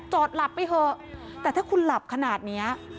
หลับไปเถอะแต่ถ้าคุณหลับขนาดนี้